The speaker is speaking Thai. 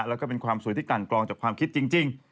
แล้วก็เป็นความสวยที่กันกรองจากความคิดจริง